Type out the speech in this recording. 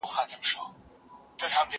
زه به مېوې راټولې کړي وي!؟